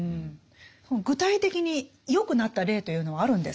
具体的に良くなった例というのはあるんですか？